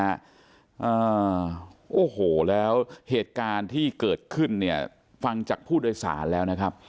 อ่าโอ้โหแล้วเหตุการณ์ที่เกิดขึ้นเนี่ยฟังจากผู้โดยสารแล้วนะครับ